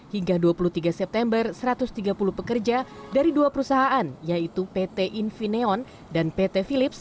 hingga dua puluh tiga september satu ratus tiga puluh pekerja dari dua perusahaan yaitu pt infineon dan pt philips